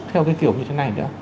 theo cái kiểu như thế này nữa